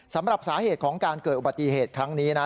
สำหรับสาเหตุของการเกิดอุบัติเหตุครั้งนี้นะ